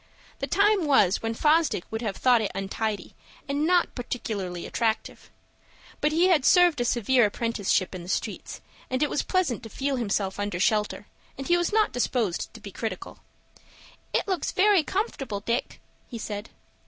The time was when Fosdick would have thought it untidy and not particularly attractive. But he had served a severe apprenticeship in the streets, and it was pleasant to feel himself under shelter, and he was not disposed to be critical. "It looks very comfortable, Dick," he said.